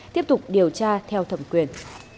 tiếp tục điều tra theo thẩm quyền